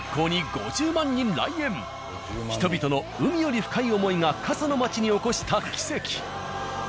人々の海より深い思いが過疎の町に起こした奇跡。